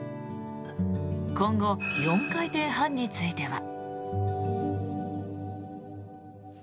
今後、４回転半については。